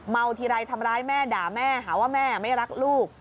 ทีไรทำร้ายแม่ด่าแม่หาว่าแม่ไม่รักลูก